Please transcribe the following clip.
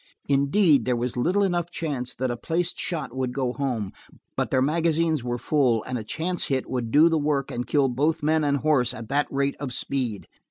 Indeed, there was little enough chance that a placed shot would go home, but their magazines were full, and a chance hit would do the work and kill both man and horse at that rate of speed.